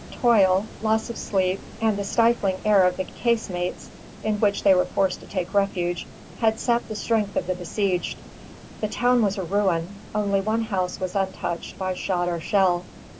Toil, loss of sleep, and the stifling air of the casemates, in which they were forced to take refuge, had sapped the strength of the besieged. The town was a ruin; only one house was untouched by shot or shell.